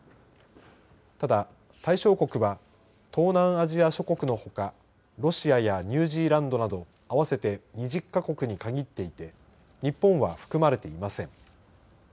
ただ対象国は東南アジア諸国のほかロシアやニュージーランドなど合わせて２０か国に限っていて日本は含まれていません。